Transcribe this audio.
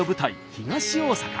東大阪。